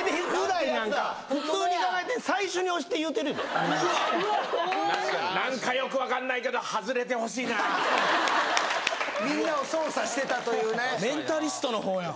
エビフライなんか普通に考えて最初に押して言うてるでみんなうわ怖い何かよく分かんないけどみんなを操作してたというねメンタリストの方やん